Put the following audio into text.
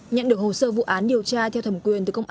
nhận được hồ sơ vụ án điều tra theo thẩm quyền từ công an